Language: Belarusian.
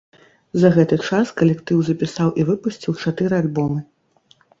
За гэты час калектыў запісаў і выпусціў чатыры альбомы.